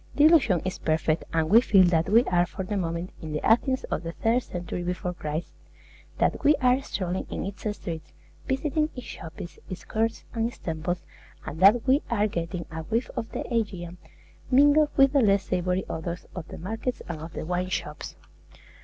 The illusion is perfect, and we feel that we are for the moment in the Athens of the third century before Christ; that we are strolling in its streets, visiting its shops, its courts, and its temples, and that we are getting a whiff of the Aegean, mingled with the less savory odors of the markets and of the wine shops.